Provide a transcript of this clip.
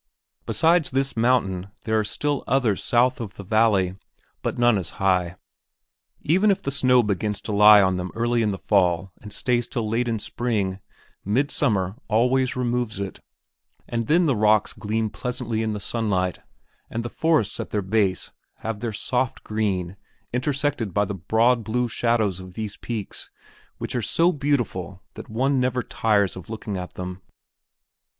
Besides this mountain there are still others south of the valley, but none as high. Even if the snow begins to lie on them early in fall and stays till late in spring, midsummer always removes it, and then the rocks gleam pleasantly in the sunlight, and the forests at their base have their soft green intersected by the broad blue shadows of these peaks which are so beautiful that one never tires of looking at them.